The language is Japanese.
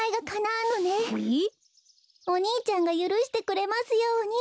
お兄ちゃんがゆるしてくれますように。